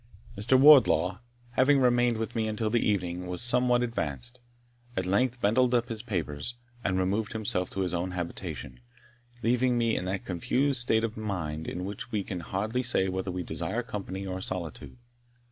Mr. Wardlaw having remained with me until the evening was somewhat advanced, at length bundled up his papers, and removed himself to his own habitation, leaving me in that confused state of mind in which we can hardly say whether we desire company or solitude.